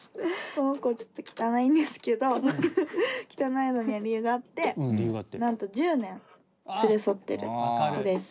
この子ちょっと汚いんですけど汚いのには理由があってなんと１０年連れ添ってる子です。